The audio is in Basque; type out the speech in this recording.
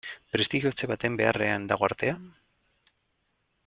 Prestigiotze baten beharrean dago artea?